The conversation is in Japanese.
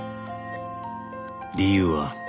「理由は」